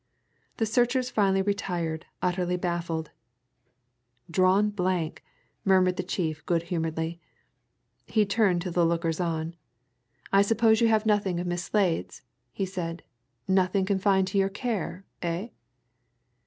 The searchers finally retired utterly baffled. "Drawn blank," murmured the chief good humouredly. He turned to the lookers on. "I suppose you have nothing of Miss Slade's?" he said. "Nothing confined to your care, eh?"